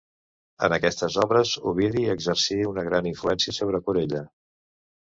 En aquestes obres Ovidi exercí una gran influència sobre Corella.